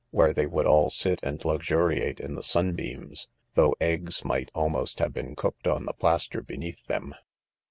where they would all sit and luxuriate in the sunbeams, though eggs might almost have been cooked on the plaster beneath them.